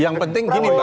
yang penting gini mbak